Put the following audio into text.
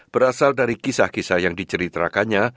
berasal dari kisah kisah yang diceritakannya